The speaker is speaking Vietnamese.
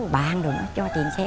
rồi bàn rồi nó cho tiền xe